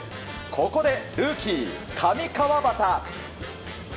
ここでルーキー上川畑。